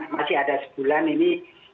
masih ada sebulan ini